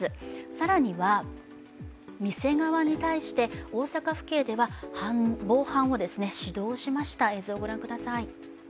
更には店側に対して、大阪府警では防犯を指導しました。